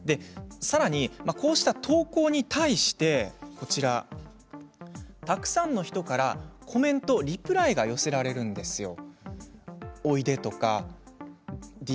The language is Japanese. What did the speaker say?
さらに、こうした投稿に対してたくさんの人からコメントリプライが寄せられるんです。